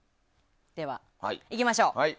では、いきましょう。